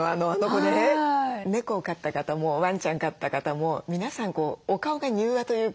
猫を飼った方もワンちゃん飼った方も皆さんお顔が柔和というかね